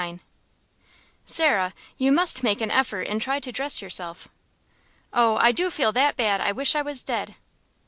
XXXIX "Sarah, you must make an effort and try to dress yourself." "Oh, I do feel that bad, I wish I was dead!"